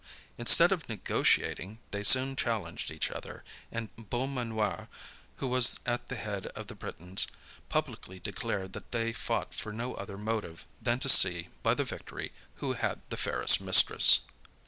Instead of negotiating, they soon challenged each other; and Beaumanoir, who was at the head of the Britons, publicly declared that they fought for no other motive, than to see, by the victory, who had the fairest mistress.